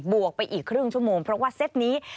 วกไปอีกครึ่งชั่วโมงเพราะว่าเซ็ตนี้